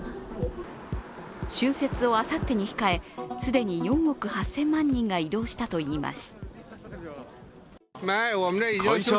春節をあさってに控え既に４億８０００万人が移動したといいます。